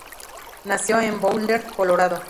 Nació en Boulder, Colorado.